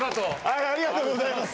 ありがとうございます。